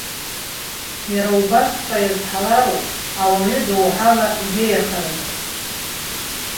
Иара убасҵәҟьа иазҳалароуп ауаҩы доуҳала ибеиахаразы.